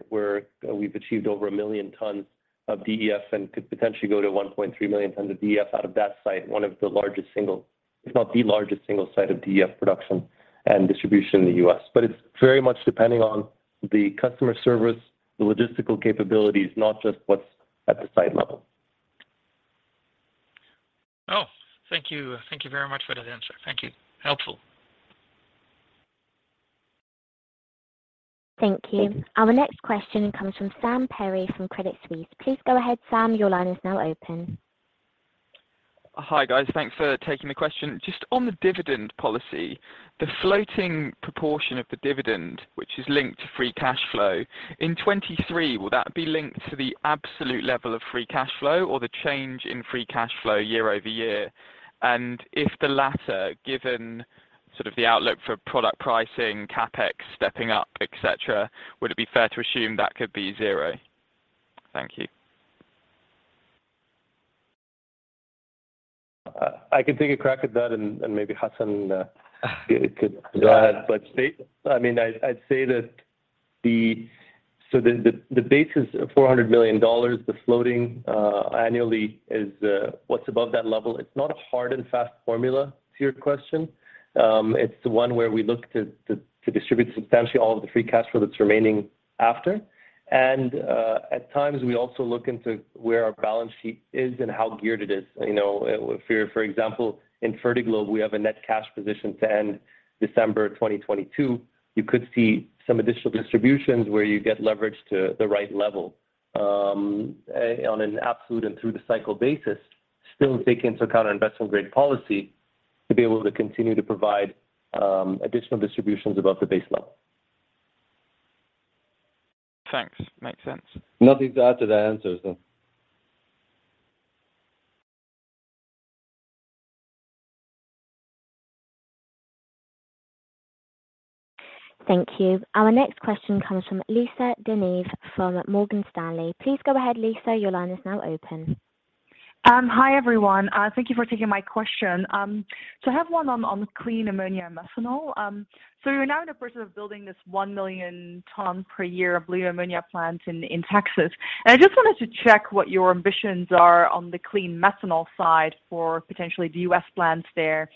we've achieved over 1 million tons of DEF and could potentially go to 1.3 million tons of DEF out of that site, one of the largest single, if not the largest single site of DEF production and distribution in the U.S. It's very much depending on the customer service, the logistical capabilities, not just what's at the site level. Oh, thank you. Thank you very much for that answer. Thank you. Helpful. Thank you. Our next question comes from Sam Perry from Credit Suisse. Please go ahead, Sam. Your line is now open. Hi, guys. Thanks for taking the question. Just on the dividend policy, the floating proportion of the dividend, which is linked to free cash flow, in 23, will that be linked to the absolute level of free cash flow or the change in free cash flow year-over-year? If the latter, given sort of the outlook for product pricing, CapEx stepping up, et cetera, would it be fair to assume that could be zero? Thank you. I can take a crack at that and maybe Hassan could go ahead. I mean, I'd say that the base is $400 million. The floating annually is what's above that level. It's not a hard and fast formula to your question. It's the one where we look to distribute substantially all of the free cash flow that's remaining after. At times, we also look into where our balance sheet is and how geared it is. You know, if we're, for example, in Fertiglobe, we have a net cash position to end December 2022. You could see some additional distributions where you get leverage to the right level, on an absolute and through the cycle basis, still taking into account our investment grade policy to be able to continue to provide, additional distributions above the base level. Thanks. Makes sense. Nothing to add to that answer. Thank you. Our next question comes from Lisa De Neve from Morgan Stanley. Please go ahead, Lisa. Your line is now open. Hi, everyone. Thank you for taking my question. I have one on clean ammonia and methanol. You're now in the process of building this 1 million ton per year of blue ammonia plant in Texas. I just wanted to check what your ambitions are on the clean methanol side for potentially the U.S. plants there.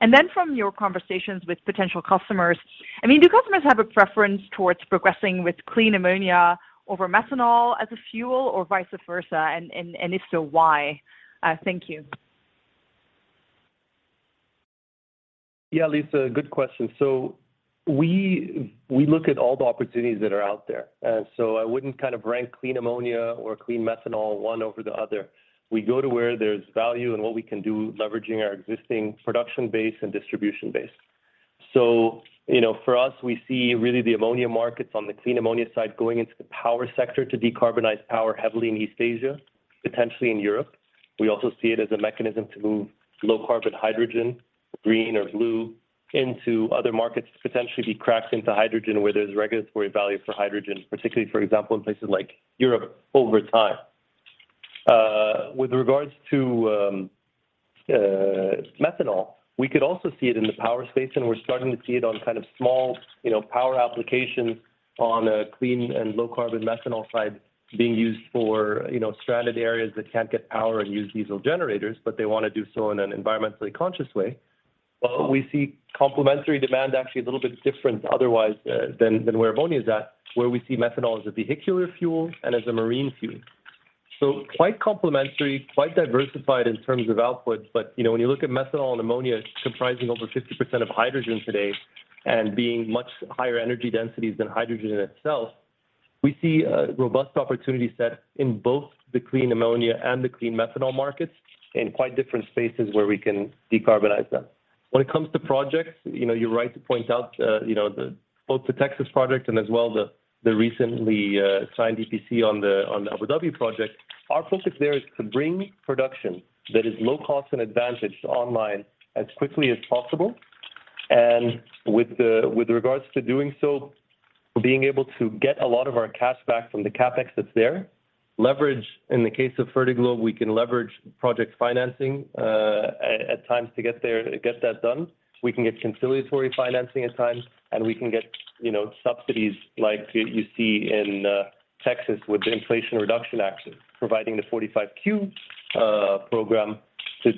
Then from your conversations with potential customers, I mean, do customers have a preference towards progressing with clean ammonia over methanol as a fuel or vice versa? If so, why? Thank you. Yeah, Lisa, good question. We look at all the opportunities that are out there. I wouldn't kind of rank clean ammonia or clean methanol one over the other. We go to where there's value and what we can do leveraging our existing production base and distribution base. You know, for us, we see really the ammonia markets on the clean ammonia side going into the power sector to decarbonize power heavily in East Asia, potentially in Europe. We also see it as a mechanism to move low carbon hydrogen, green or blue, into other markets to potentially be cracked into hydrogen where there's regulatory value for hydrogen, particularly, for example, in places like Europe over time. With regards to methanol, we could also see it in the power space, we're starting to see it on kind of small, power applications on a clean and low carbon methanol side being used for, stranded areas that can't get power and use diesel generators, but they want to do so in an environmentally conscious way. We see complementary demand actually a little bit different otherwise, than where ammonia is at, where we see methanol as a vehicular fuel and as a marine fuel. Quite complementary, quite diversified in terms of outputs. You know, when you look at methanol and ammonia, it's comprising over 50% of hydrogen today and being much higher energy densities than hydrogen in itself. We see a robust opportunity set in both the clean ammonia and the clean methanol markets in quite different spaces where we can decarbonize them. When it comes to projects, you're right to point out, both the Texas project and as well the recently signed EPC on the Abu Dhabi project. Our focus there is to bring production that is low cost and advantage online as quickly as possible. With regards to doing so, being able to get a lot of our cash back from the CapEx that's there. Leverage, in the case of Fertiglobe, we can leverage project financing at times to get there, get that done. We can get conciliatory financing at times, and we can get, subsidies like you see in Texas with the Inflation Reduction Act, providing the 45Q program to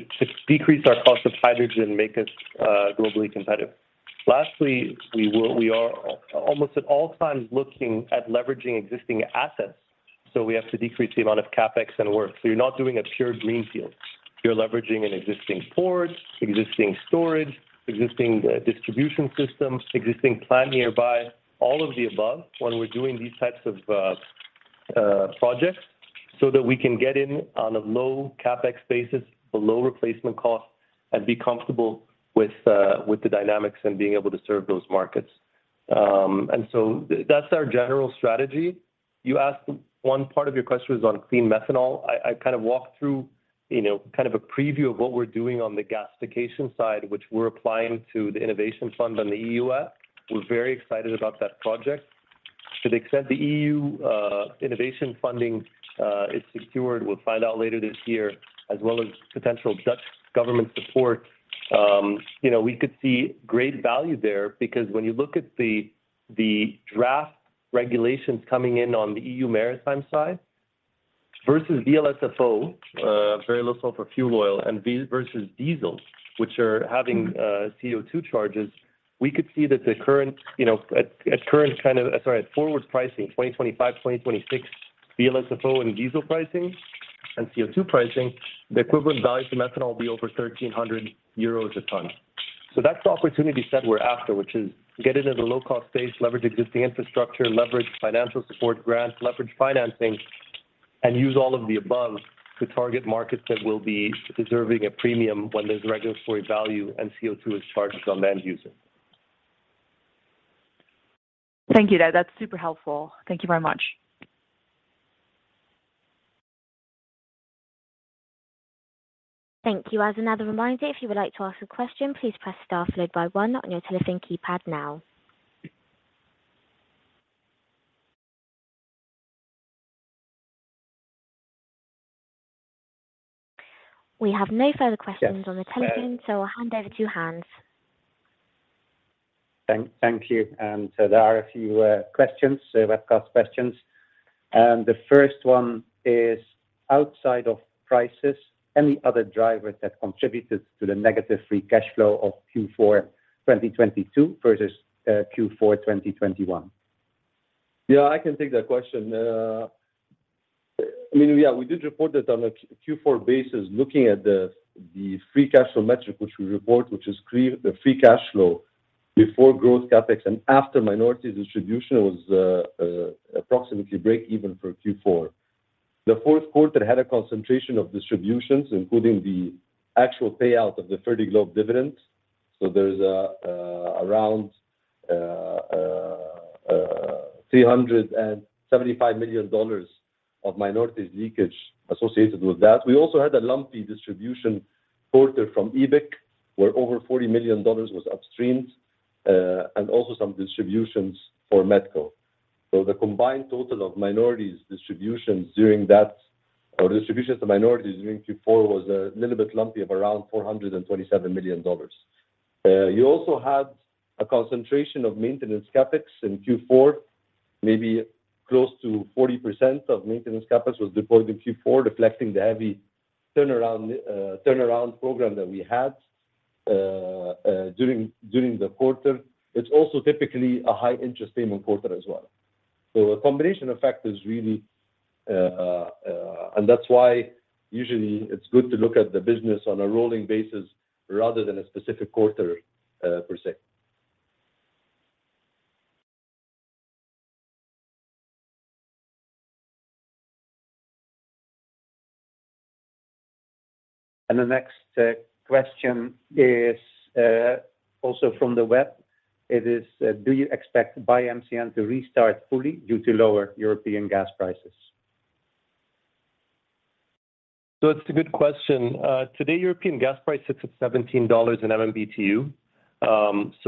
decrease our cost of hydrogen, make us globally competitive. Lastly, we are almost at all times looking at leveraging existing assets, so we have to decrease the amount of CapEx and work. You're not doing a pure greenfield. You're leveraging an existing port, existing storage, existing distribution systems, existing plant nearby, all of the above when we're doing these types of projects so that we can get in on a low CapEx basis, a low replacement cost, and be comfortable with the dynamics and being able to serve those markets. That's our general strategy. One part of your question was on clean methanol. I kind of walked through, kind of a preview of what we're doing on the gasification side, which we're applying to the Innovation Fund on the EUIF. We're very excited about that project. To the extent the EU Innovation Fund is secured, we'll find out later this year, as well as potential Dutch government support. You know, we could see great value there because when you look at the draft regulations coming in on the EU maritime side versus VLSFO, very low sulfur fuel oil, and versus diesel, which are having CO2 charges, we could see that the current, at current kind of... Sorry, at forward pricing, 2025, 2026 VLSFO and diesel pricing and CO2 pricing, the equivalent value to methanol will be over 1,300 euros a ton. That's the opportunity set we're after, which is get into the low cost base, leverage existing infrastructure, leverage financial support grants, leverage financing, and use all of the above to target markets that will be deserving a premium when there's regulatory value and CO2 is charged on end user. Thank you. That's super helpful. Thank you very much. Thank you. As another reminder, if you would like to ask a question, please press star followed by one on your telephone keypad now. We have no further questions on the telephone, I'll hand over to Hans. Thank you. There are a few questions, webcast questions, and the first one is outside of prices, any other drivers that contributed to the negative free cash flow of Q4 2022 versus Q4 2021? Yeah, I can take that question. I mean, yeah, we did report that on a Q4 basis, looking at the free cash flow metric, which we report, which is the free cash flow before growth CapEx and after minority distribution was approximately breakeven for Q4. The Q4 had a concentration of distributions, including the actual payout of the Fertiglobe dividends. There's around $375 million of minorities leakage associated with that. We also had a lumpy distribution quarter from EBIC, where over $40 million was upstreamed, and also some distributions for Metco. The combined total of minorities distributions during that or distributions to minorities during Q4 was a little bit lumpy of around $427 million. You also had a concentration of maintenance CapEx in Q4, maybe close to 40% of maintenance CapEx was deployed in Q4, reflecting the heavy turnaround program that we had during the quarter. It's also typically a high interest payment quarter as well. A combination of factors really. That's why usually it's good to look at the business on a rolling basis rather than a specific quarter per se. The next question is also from the web. It is, do you expect BioMCN to restart fully due to lower European gas prices? It's a good question. Today European gas price sits at $17 in MMBtu.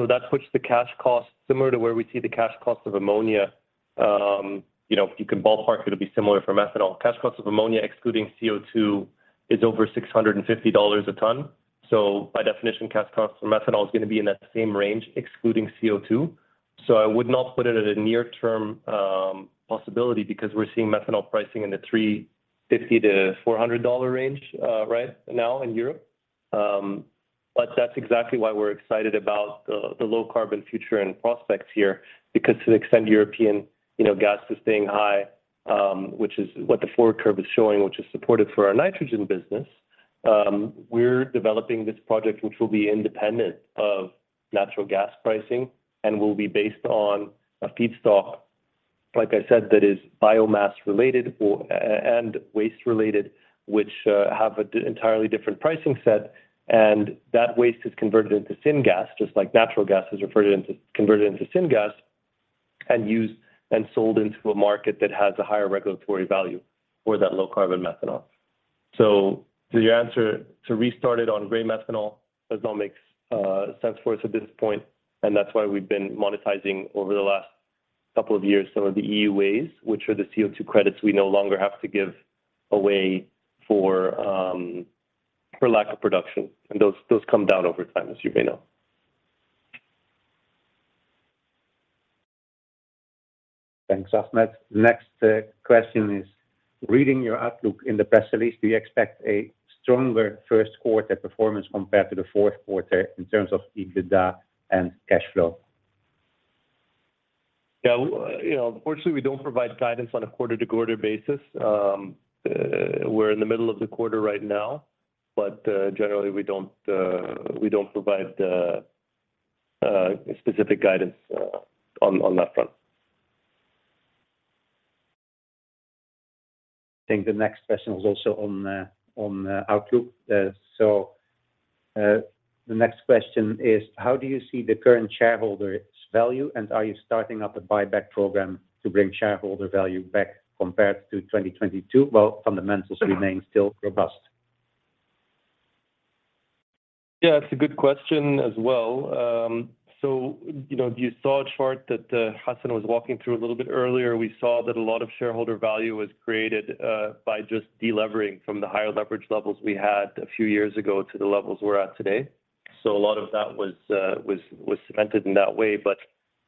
That puts the cash cost similar to where we see the cash cost of ammonia. If you can ballpark, it'll be similar for methanol. Cash cost of ammonia excluding CO2 is over $650 a ton. By definition, cash cost for methanol is gonna be in that same range excluding CO2. I would not put it at a near term possibility because we're seeing methanol pricing in the $350-$400 range right now in Europe. But that's exactly why we're excited about the low carbon future and prospects here because to the extent European, gas is staying high, which is what the forward curve is showing, which is supportive for our nitrogen business, we're developing this project which will be independent of natural gas pricing and will be based on a feedstock, like I said, that is biomass related or and waste related, which have an entirely different pricing set. That waste is converted into syngas, just like natural gas is converted into syngas and used and sold into a market that has a higher regulatory value for that low carbon methanol. To your answer, to restart it on gray methanol does not make sense for us at this point, and that's why we've been monetizing over the last couple of years some of the EUAs, which are the CO2 credits we no longer have to give away for lack of production. Those come down over time, as you may know. Thanks, Ahmed. Question is, reading your outlook in the press release, do you expect a stronger Q1 performance compared to the Q4 in terms of EBITDA and cash flow? Yeah. You know, unfortunately, we don't provide guidance on a quarter-to-quarter basis. We're in the middle of the quarter right now, but generally we don't provide specific guidance on that front. I think the next question was also on outlook. The next question is: How do you see the current shareholder's value, and are you starting up a buyback program to bring shareholder value back compared to 2022 while fundamentals remain still robust? Yeah, it's a good question as well. You know, you saw a chart that Hassan was walking through a little bit earlier. We saw that a lot of shareholder value was created by just delevering from the higher leverage levels we had a few years ago to the levels we're at today. A lot of that was cemented in that way.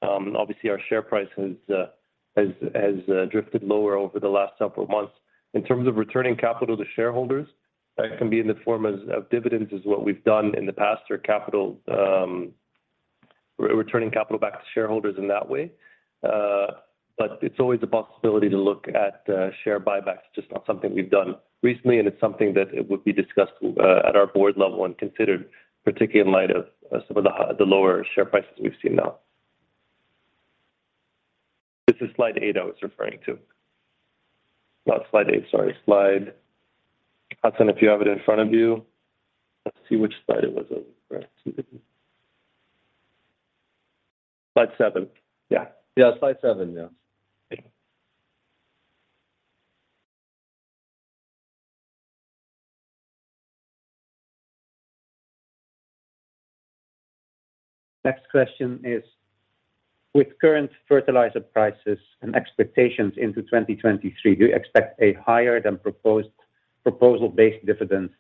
Obviously our share price has drifted lower over the last several months. In terms of returning capital to shareholders, that can be in the form of dividends is what we've done in the past, or capital... We're returning capital back to shareholders in that way. It's always a possibility to look at share buybacks, just not something we've done recently, and it's something that it would be discussed at our board level and considered, particularly in light of some of the lower share prices we've seen now. This is slide 8 I was referring to. Not slide 8, sorry. Slide Hassan, if you have it in front of you, let's see which slide it was. Slide 7. Yeah. Yeah, slide seven. Yeah. Next question is, with current fertilizer prices and expectations into 2023, do you expect a higher than proposal-based dividends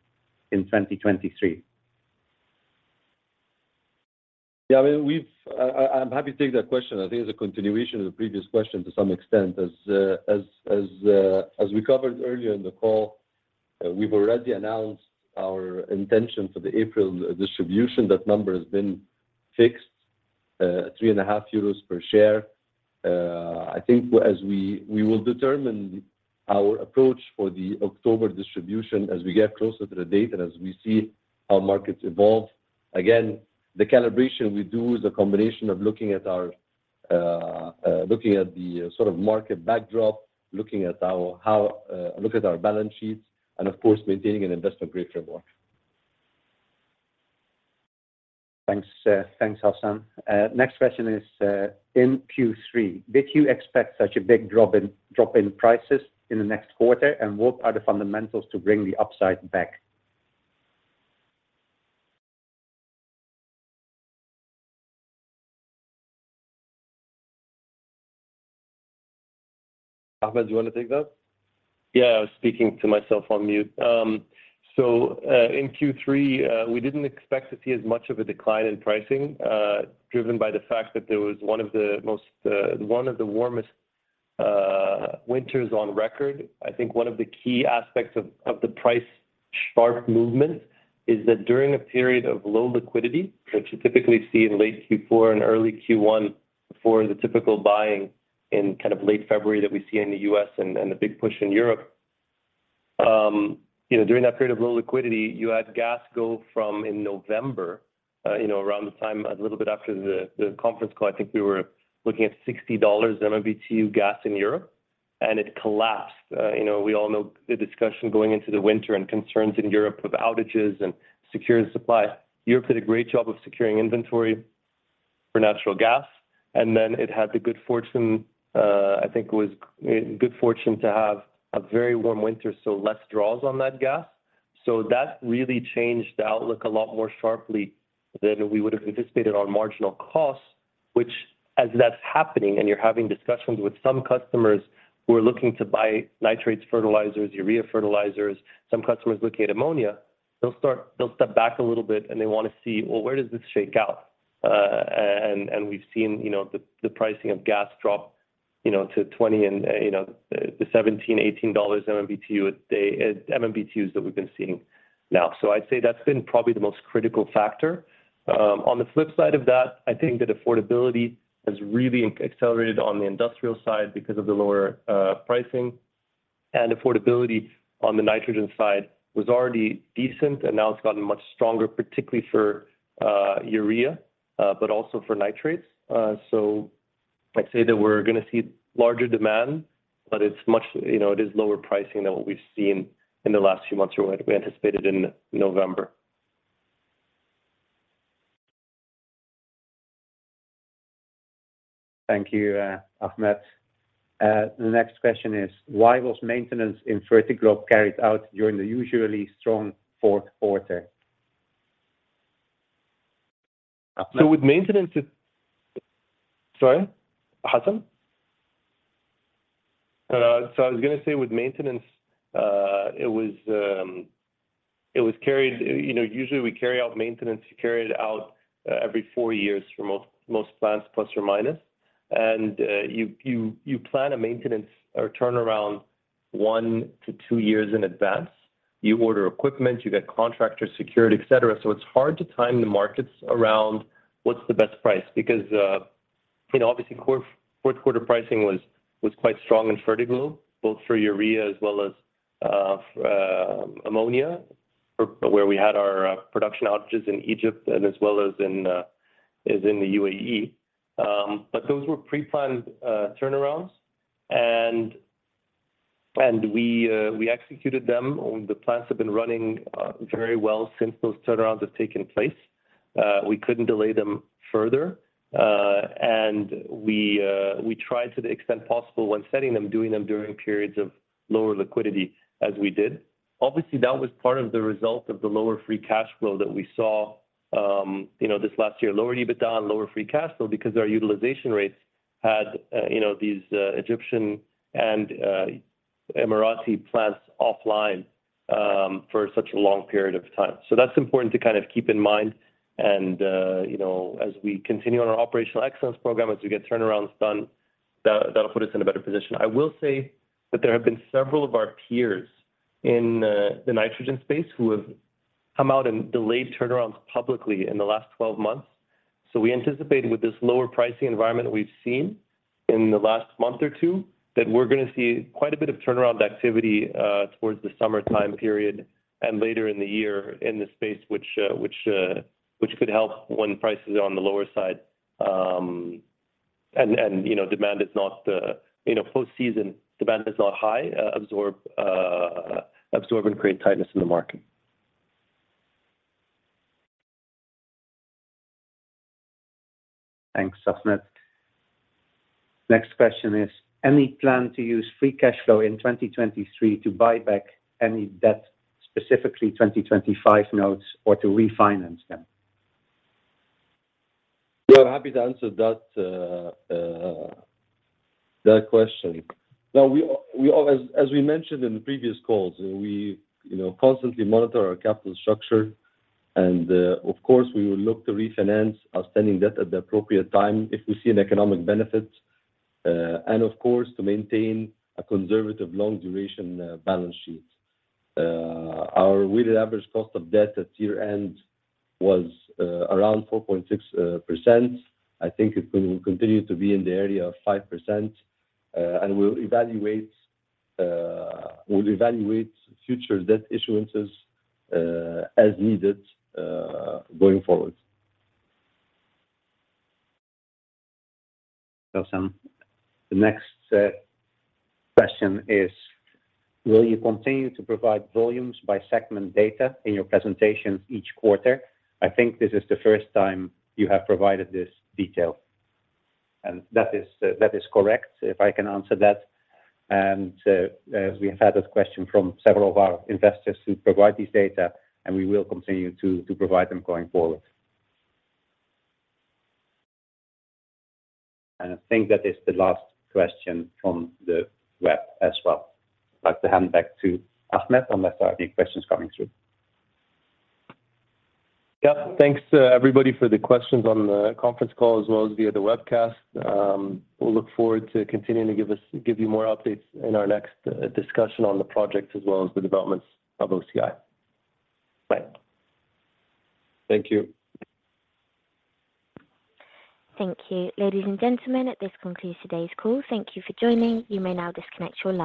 in 2023? Yeah. I mean, I'm happy to take that question. I think it's a continuation of the previous question to some extent. As we covered earlier in the call, we've already announced our intention for the April distribution. That number has been fixed, three and a half euros per share. I think as we will determine our approach for the October distribution as we get closer to the date and as we see how markets evolve. The calibration we do is a combination of looking at our, looking at the sort of market backdrop, looking at our how, look at our balance sheets, and of course, maintaining an investor grade framework. Thanks. Thanks, Hassan. Next question is, in Q3, did you expect such a big drop in prices in the next quarter? What are the fundamentals to bring the upside back? Ahmed, do you want to take that? I was speaking to myself on mute. In Q3, we didn't expect to see as much of a decline in pricing, driven by the fact that there was one of the most, one of the warmest winters on record. I think one of the key aspects of the price sharp movement is that during a period of low liquidity, which you typically see in late Q4 and early Q1 for the typical buying in kind of late February that we see in the US and the big push in Europe, during that period of low liquidity, you had gas go from in November, around the time, a little bit after the conference call, I think we were looking at $60 MMBtu gas in Europe, and it collapsed. You know, we all know the discussion going into the winter and concerns in Europe of outages and securing supply. Europe did a great job of securing inventory for natural gas. It had the good fortune, I think it was good fortune to have a very warm winter, so less draws on that gas. That really changed the outlook a lot more sharply than we would have anticipated on marginal costs, which as that's happening, and you're having discussions with some customers who are looking to buy nitrates fertilizers, urea fertilizers, some customers looking at ammonia, they'll step back a little bit, and they wanna see, "Well, where does this shake out?" and we've seen, the pricing of gas drop, to 20 and, the $17, $18 MMBtu a day, MMBtus that we've been seeing now. I'd say that's been probably the most critical factor. On the flip side of that, I think that affordability has really accelerated on the industrial side because of the lower pricing. Affordability on the nitrogen side was already decent, and now it's gotten much stronger, particularly for urea, but also for nitrates. I'd say that we're gonna see larger demand, but it's much, it is lower pricing than what we've seen in the last few months or what we anticipated in November. Thank you, Ahmed. The next question is, why was maintenance in Fertiglobe carried out during the usually strong Q4? Ahmed. Sorry, Hassan. I was going to say with maintenance, it was carried, usually we carry out maintenance, carry it out every 4 years for most plants, plus or minus. And you plan a maintenance or turnaround 1 to 2 years in advance. You order equipment, you get contractors secured, et cetera. It's hard to time the markets around what's the best price because, obviously Q4 pricing was quite strong in Fertiglobe, both for urea as well as ammonia, for where we had our production outages in Egypt and as well as in the UAE. But those were pre-planned turnarounds and we executed them. The plants have been running very well since those turnarounds have taken place. We couldn't delay them further. We tried to the extent possible when setting them, doing them during periods of lower liquidity as we did. Obviously, that was part of the result of the lower free cash flow that we saw, this last year. Lower EBITDA and lower free cash flow because our utilization rates had, these Egyptian and Emirati plants offline for such a long period of time. That's important to kind of keep in mind and, as we continue on our operational excellence program, as we get turnarounds done, that'll put us in a better position. I will say that there have been several of our peers in the nitrogen space who have come out and delayed turnarounds publicly in the last 12 months. We anticipate with this lower pricing environment we've seen in the last month or two, that we're gonna see quite a bit of turnaround activity towards the summertime period and later in the year in this space, which could help when prices are on the lower side. You know, demand is not, post-season demand is not high, absorb and create tightness in the market. Thanks, Ahmed. Next question is, any plan to use free cash flow in 2023 to buy back any debt, specifically 2025 notes, or to refinance them? Yeah. I'm happy to answer that question. Now, we as we mentioned in the previous calls, we, constantly monitor our capital structure. Of course, we will look to refinance outstanding debt at the appropriate time if we see an economic benefit. Of course, to maintain a conservative long duration balance sheet. Our weighted average cost of debt at year-end was around 4.6%. I think it will continue to be in the area of 5%. We'll evaluate future debt issuances as needed going forward. Awesome. The next question is, will you continue to provide volumes by segment data in your presentations each quarter? I think this is the first time you have provided this detail. That is correct, if I can answer that. As we have had this question from several of our investors to provide these data, and we will continue to provide them going forward. I think that is the last question from the web as well. I'd like to hand back to Ahmed unless there are any questions coming through. Yeah. Thanks, everybody, for the questions on the conference call as well as via the webcast. We'll look forward to continuing to give you more updates in our next discussion on the project as well as the developments of OCI. Bye. Thank you. Thank you. Ladies and gentlemen, this concludes today's call. Thank you for joining. You may now disconnect your line.